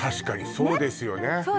そうですよね？